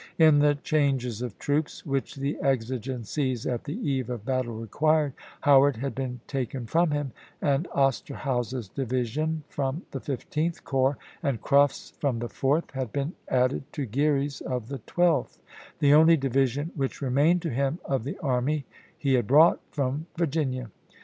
In the changes of troops which the exigencies at the eve of battle required, Howard had been taken from him, and Osterhaus's division from the Fifteenth Corps, and Cruft's from the Fourth, had been added to G eary's of the Twelfth — the only division which remained to him of the army he had brought from Virginia.